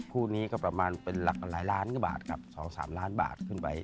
คู่นี้ก็ประมาณเป็นหลักหลายล้านกว่าบาทกับ๒๓ล้านบาทขึ้นไป